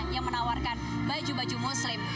yang menawarkan baju baju muslim